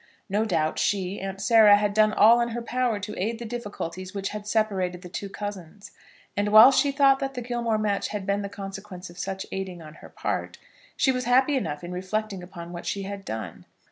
No doubt she, Aunt Sarah, had done all in her power to aid the difficulties which had separated the two cousins; and while she thought that the Gilmore match had been the consequence of such aiding on her part, she was happy enough in reflecting upon what she had done.